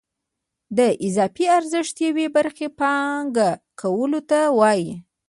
د اضافي ارزښت یوې برخې پانګه کولو ته وایي